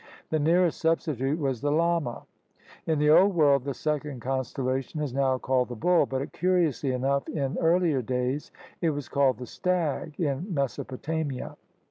The nearest substitute was the llama. In the Old World the second constellation is now called the bull, but curiously enough in earlier days it was called the stag in Mesopotamia.